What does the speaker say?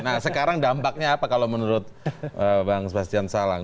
nah sekarang dampaknya apa kalau menurut bang sebastian salang